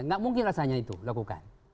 nggak mungkin rasanya itu lakukan